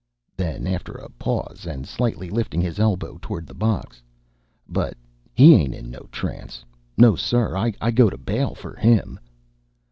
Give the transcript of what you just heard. Then, after a pause, and slightly lifting his elbow toward the box, "But he ain't in no trance! No, sir, I go bail for him!"